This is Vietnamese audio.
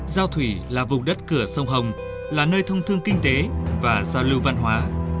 giao thủy là vùng đất cửa sông hồng là nơi thông thương kinh tế và giao lưu văn hóa